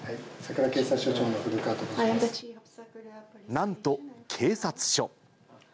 なんと警察署。